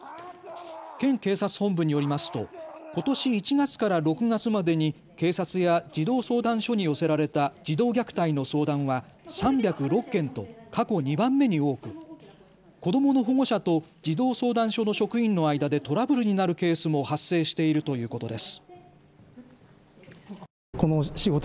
県警察本部によりますとことし１月から６月までに警察や児童相談所に寄せられた児童虐待の相談は３０６件と過去２番目に多く子どもの保護者と児童相談所の職員の間でトラブルになるケースも発生しているということです。